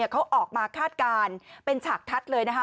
เขาออกมาคาดการณ์เป็นฉากทัศน์เลยนะคะ